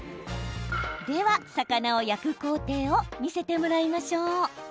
では、魚を焼く工程を見せてもらいましょう。